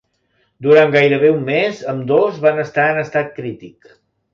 Durant gairebé un mes, ambdós van estar en estat crític.